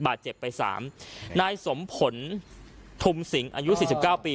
บาดเจ็บไปสามนายสมผลทุมสิงอายุสี่สิบเก้าปี